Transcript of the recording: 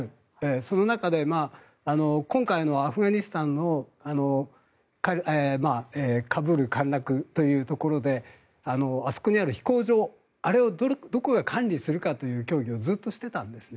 その中で今回のアフガニスタンのカブール陥落というところであそこにある飛行場をどこが管理するかという協議をずっとしてたんですね。